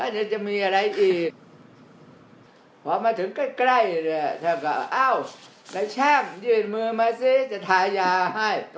เดี๋ยวจะมีอะไรอีกพอมาถึงใกล้เนี่ยแทบก็อ้าวนายช่างยื่นมือมาสิจะทายาให้